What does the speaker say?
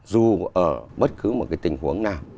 dù ở bất cứ một cái tình huống nào